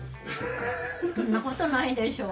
そんなことないでしょう？